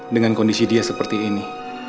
dengan kondisi dia seperti ini